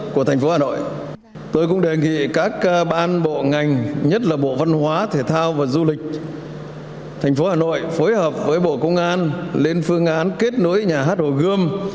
của tp hà nội tôi cũng đề nghị các ban bộ ngành nhất là bộ văn hóa thể thao và du lịch tp hà nội phối hợp với bộ công an lên phương án kết nối nhà hát hồ gươm